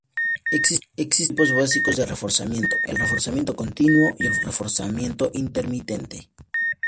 Existen dos tipos básicos de reforzamiento: el reforzamiento continuo y el reforzamiento intermitente.